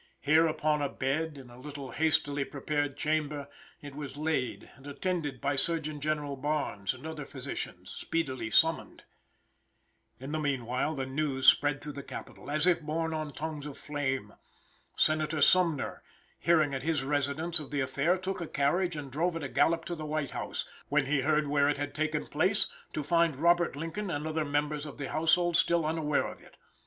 Here upon a bed, in a little hastily prepared chamber, it was laid and attended by Surgeon General Barnes and other physicians, speedily summoned. In the meanwhile the news spread through the capital, as if borne on tongues of flame. Senator Sumner, hearing at his residence, of the affair took a carriage and drove at a gallop to the White House, when he heard where it had taken place, to find Robert Lincoln and other members of the household still unaware of it.